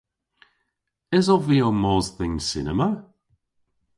Esov vy ow mos dhe'n cinema?